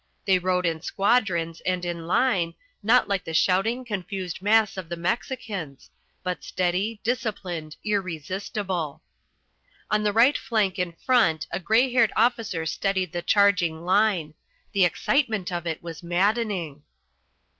They rode in squadrons and in line, not like the shouting, confused mass of the Mexicans but steady, disciplined, irresistible. On the right flank in front a grey haired officer steadied the charging line. The excitement of it was maddening.